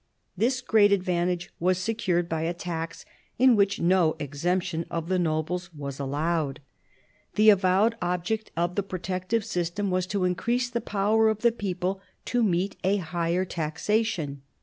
This great advantage was secured by a tax in which no exemption of the nobles was allowed. The avowed object of the protective system was to increase the power of the people to meet a higher taxation.